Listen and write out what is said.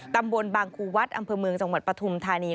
ตำบลบางครูวัดอำเภอเมืองจังหวัดปฐุมธานี